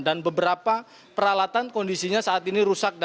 dan beberapa peralatan kondisinya saat ini rusak